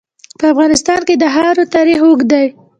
په افغانستان کې د خاوره تاریخ اوږد دی.